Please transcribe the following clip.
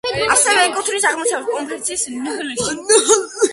ასევე ეკუთვნის აღმოსავლეთ კონფერენციის ნჰლ-ში.